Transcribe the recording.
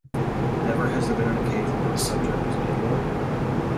Never has there been an occasion when a subject was made lord.